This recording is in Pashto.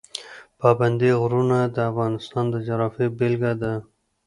پابندی غرونه د افغانستان د جغرافیې بېلګه ده.